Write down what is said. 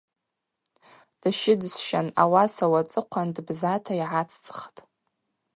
Дащыдзсщан, ауаса уацӏыхъван дбзата йгӏацӏцӏхтӏ.